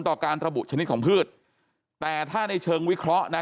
การระบุชนิดของพืชแต่ถ้าในเชิงวิเคราะห์นะ